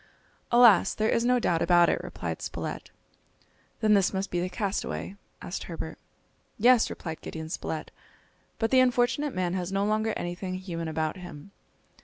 "Alas! there is no doubt about it," replied Spilett. "Then this must be the castaway?" asked Herbert. "Yes," replied Gideon Spilett, "but the unfortunate man has no longer anything human about him!"